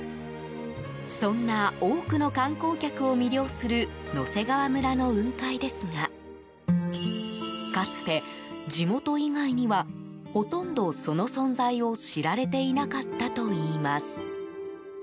そんな多くの観光客を魅了する野迫川村の雲海ですがかつて、地元以外にはほとんど、その存在を知られていなかったといいます。